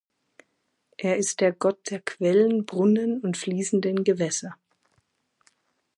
Er ist der Gott der Quellen, Brunnen und fließenden Gewässer.